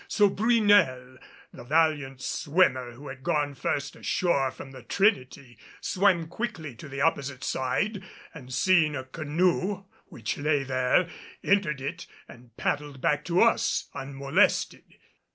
So Brunel, the valiant swimmer who had gone first ashore from the Trinity, swam quickly to the opposite side, and seeing a canoe which lay there, entered it and paddled back to us unmolested.